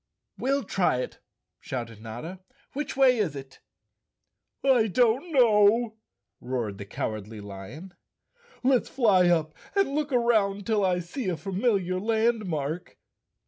"We'll try it," shouted Notta. "Which way is it?" 188 _ Chapter Fourteen "I don't know," roared the Cowardly Lion. "Let's fly up and look around till I see a familiar landmark.